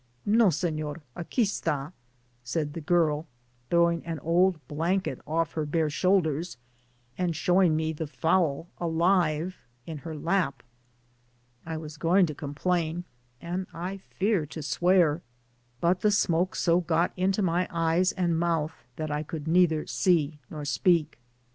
" No, Sefior, aqui stl^" smd the girl, throwing an old blanket off her bare shoulders, and showing me the fowl alive in her lap. I was going to complain, and I fear to swear, but the smoke so got into my eyes and mouth that I could neither see nor speak.